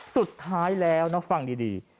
สุดท้ายแล้วนะฟังดี